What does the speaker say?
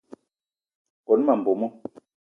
Kone ma mbomo.